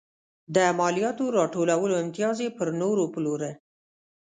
د مالیاتو راټولولو امتیاز یې پر نورو پلوره.